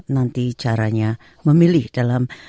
nanti caranya memilih dalam